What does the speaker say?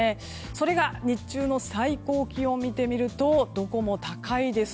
それが日中の最高気温を見てみるとどこも高いです。